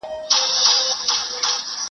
له ذاته زرغونېږي لطافت د باران یو دی,